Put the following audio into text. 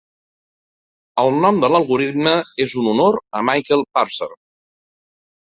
El nom de l'algoritme és en honor a Michael Purser.